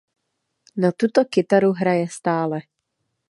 Na tuto kytaru hraje stále.